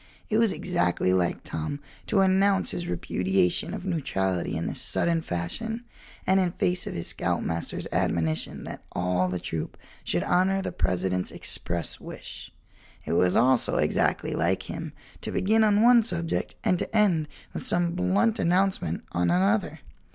It was exactly like Tom to announce his repudiation of neutrality in this sudden fashion and in face of his scoutmaster's admonition that all the troop should honor the President's express wish. It was also exactly like him to begin on one subject and to end with some blunt announcement on another.